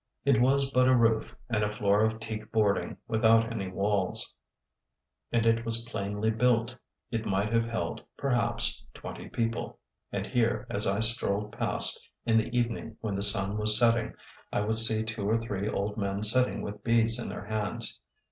It was but a roof and a floor of teak boarding without any walls, and it was plainly built. It might have held, perhaps, twenty people; and here, as I strolled past in the evening when the sun was setting, I would see two or three old men sitting with beads in their hands.